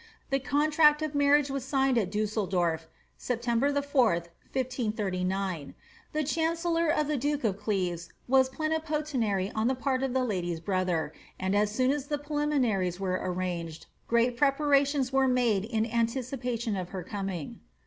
The cootrMt of marriage was signed at Dusseldorf, September tlie 4th, 1539.' The chancellor of the duke of Cleves was the plenipotentiary oa the part of the lady's brother, and as soon as the preliminaries were arranged, grett preparations were made in anticipation of her coming.